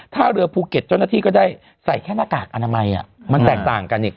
ถ้าเรือภูเก็ตเจ้าหน้าที่ก็ได้ใส่แค่หน้ากากอนามัยมันแตกต่างกันอีก